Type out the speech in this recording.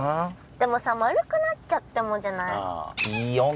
でもさ丸くなっちゃってもじゃない？